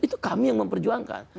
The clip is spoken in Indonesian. itu kami yang memperjuangkan